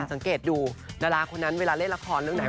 สังเกตดูดาราคนนั้นเวลาเล่นละคอร์น่ะ